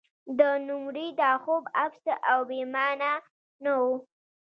د نوموړي دا خوب عبث او بې مانا نه و.